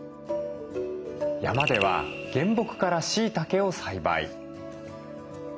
山では原木からしいたけを栽培。